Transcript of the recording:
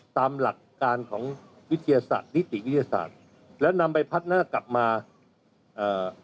ตามหลักการของวิทยาศาสตร์นิติวิทยาศาสตร์แล้วนำไปพัดหน้ากลับมาเอ่อ